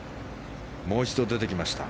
もう一度出てきました。